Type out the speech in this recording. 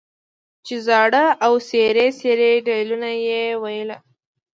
چې زاړه او څیري څیري دیوالونه یې وو.